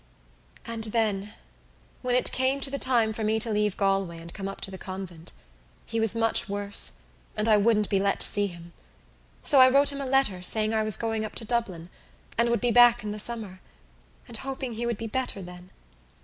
"And then when it came to the time for me to leave Galway and come up to the convent he was much worse and I wouldn't be let see him so I wrote him a letter saying I was going up to Dublin and would be back in the summer and hoping he would be better then."